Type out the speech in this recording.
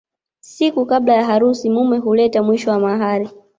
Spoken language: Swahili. Siku kabla ya harusi mume huleta mwisho wa mahari